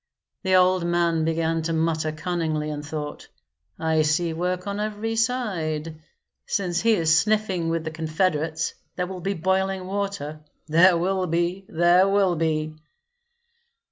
The old man began to mutter cunningly, and thought, "I see work on every side; since he is sniffing with the confederates there will be boiling water, there will be, there will be!"